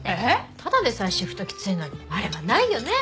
ただでさえシフトきついのにあれはないよね？